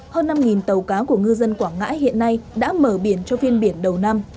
hơn năm tàu cá của ngư dân quảng ngãi hiện nay đã mở biển cho phiên biển đầu năm